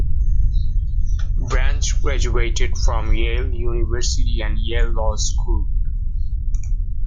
Branch graduated from Yale University and Yale Law School.